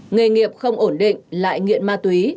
nghề nghiệp không ổn định lại nghiện ma túy